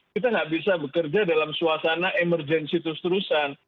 kita nggak bisa bekerja dalam suasana emergensi terus terusan